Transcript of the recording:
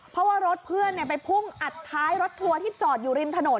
เพราะว่ารถเพื่อนไปพุ่งอัดท้ายรถทัวร์ที่จอดอยู่ริมถนน